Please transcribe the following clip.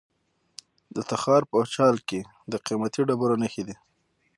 د تخار په چال کې د قیمتي ډبرو نښې دي.